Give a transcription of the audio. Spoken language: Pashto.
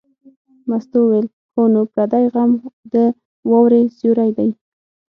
مستو وویل: هو نو پردی غم د واورې سیوری دی.